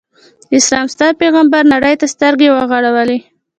د اسلام ستر پیغمبر نړۍ ته سترګې وغړولې.